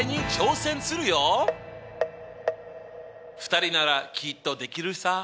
２人ならきっとできるさ。